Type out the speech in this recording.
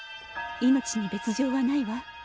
命に別状はないわ。